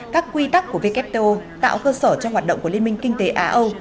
các quy tắc của wto tạo cơ sở cho hoạt động của liên minh kinh tế á âu